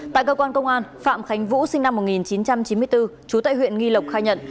tại cơ quan công an phạm khánh vũ sinh năm một nghìn chín trăm chín mươi bốn trú tại huyện nghi lộc khai nhận